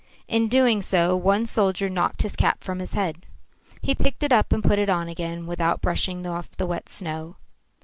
In doing so one soldier knocked his cap from his head. He picked it up and put it on again without brushing off the wet snow.